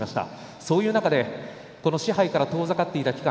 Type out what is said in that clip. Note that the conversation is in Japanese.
そういう中で賜盃から遠ざかっていた期間